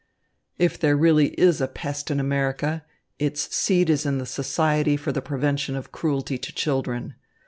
"If there really is a pest in America, its seat is in the Society for the Prevention of Cruelty to Children.